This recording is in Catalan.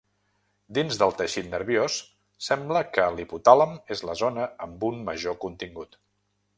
Dins del teixit nerviós sembla que l'hipotàlem és la zona amb un major contingut.